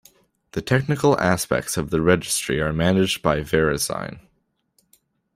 The technical aspects of the registry are managed by VeriSign.